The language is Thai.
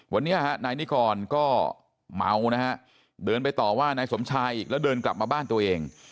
วันนี้ฮะนายนิกรก็เมานะฮะเดินไปต่อว่านายสมชายอีกแล้วเดินกลับมาบ้านตัวเอง